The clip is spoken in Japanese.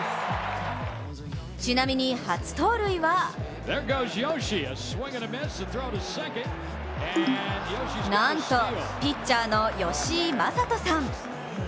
ちなみに初盗塁はなんとピッチャーの吉井理人さん。